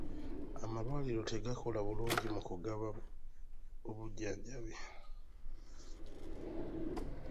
Amalwaliro tegakola bulungi mu kugaba bujjanjabi.